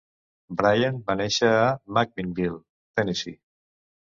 Bryan va néixer a McMinnville, Tennessee.